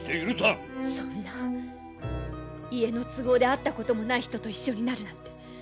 そんな家の都合で会ったこともない人と一緒になるなんて！